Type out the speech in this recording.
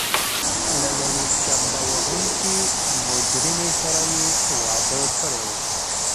له یوې چمبه وهونکې مجرمې سره یې واده کړی و.